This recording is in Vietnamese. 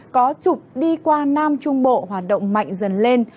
có chục đi qua nam trung bộ hoạt động mạnh dần